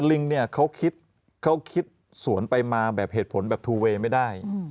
ลิงเนี่ยเขาคิดเขาคิดสวนไปมาแบบเหตุผลแบบทูเวย์ไม่ได้